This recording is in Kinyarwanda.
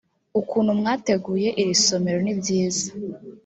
ukuntu mwateguye iri somero nibyiza